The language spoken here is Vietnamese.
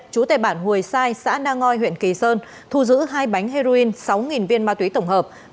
chú tài bản hùi sai xã đa ngoi huyện kỳ sơn thu giữ hai bánh heroin sáu viên ma túy tổng hợp